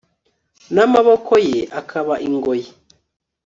n'amaboko ye akaba ingoyi